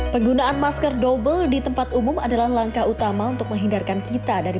penggunaan masker double di tempat umum adalah langkah utama untuk menghindarkan kita dari